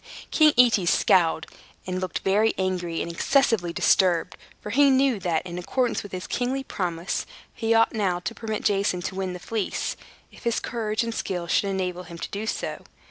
King Aetes scowled, and looked very angry and excessively disturbed; for he knew that, in accordance with his kingly promise, he ought now to permit Jason to win the Fleece, if his courage and skill should enable him to do so.